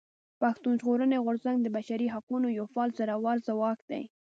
پښتون ژغورني غورځنګ د بشري حقونو يو فعال زورور ځواک دی.